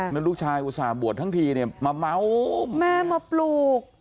แล้วลูกชายอุตส่าห์บวชทั้งทีเนี่ยมาเม้าแม่มาปลูก